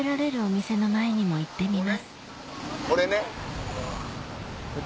これね。